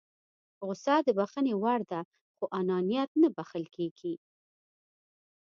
غوسه د بښنې وړ ده خو انانيت نه بښل کېږي.